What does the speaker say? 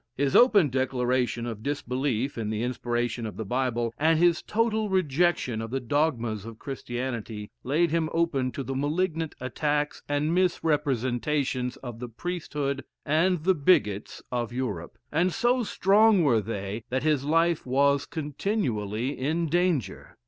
His open declaration of disbelief in the inspiration of the Bible, and his total rejection of the dogmas of Christianity, laid him open to the malignant attacks and misrepresentations of the priesthood and the bigots of Europe; and so strong were they, that his life was continually in danger.